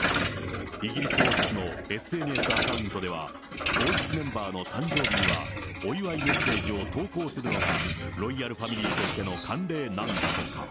イギリス王室のＳＮＳアカウントでは、王室メンバーの誕生日には、お祝いメッセージを投稿するのがロイヤルファミリーとしての慣例なんだとか。